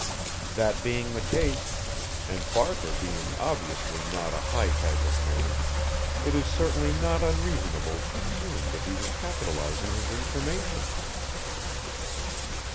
That being the case, and Barker being obviously not a high type of man, it is certainly not unreasonable to presume that he was capitalizing his information."